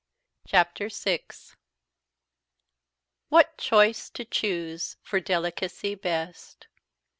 CHAPTER VI "What choice to choose for delicacy best."